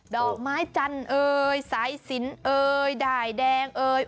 ดอกไม้จันทร์เอ่ยสายสินเอ่ยด่ายแดงเอ่ย